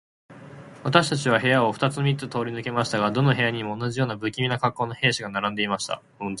私たちは部屋を二つ三つ通り抜けましたが、どの部屋にも、同じような無気味な恰好の兵士が並んでいました。